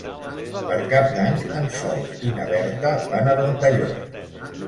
Per Cap d'Any en Sol i na Berta van a Ventalló.